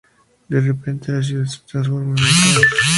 De repente, la ciudad se transforma en un caos.